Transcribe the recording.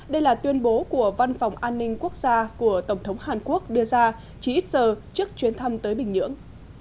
đây là tuyên bố của văn phòng an ninh quốc gia của tổng thống hàn quốc đưa ra chỉ ít giờ trước chuyến thăm tới bình nhưỡng